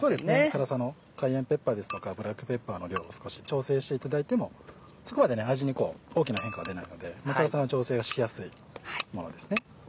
辛さのカイエンペッパーですとかブラックペッパーの量を少し調整していただいてもそこまで味に大きな変化は出ないので辛さの調整がしやすいものですね。